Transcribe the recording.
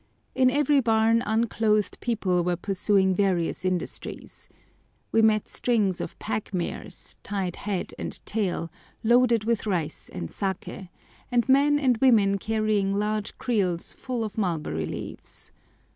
In every barn unclothed people were pursuing various industries. We met strings of pack mares, tied head and tail, loaded with rice and saké, and men and women carrying large creels full of mulberry leaves.